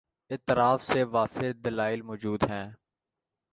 اطراف سے وافر دلائل مو جود ہیں۔